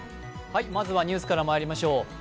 まずは、ニュースからまいりましょう。